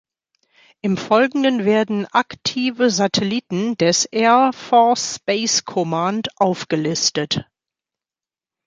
Im Folgenden werden aktive Satelliten des "Air Force Space Command" aufgelistet.